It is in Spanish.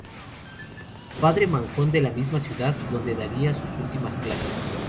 Padre Manjón de la misma ciudad, donde daría sus últimas clases.